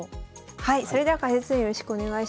はいそれでは解説よろしくお願いします。